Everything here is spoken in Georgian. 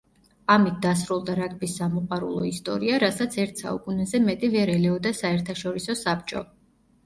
ამით დასრულდა რაგბის სამოყვარულო ისტორია, რასაც ერთ საუკუნეზე მეტი ვერ ელეოდა საერთაშორისო საბჭო.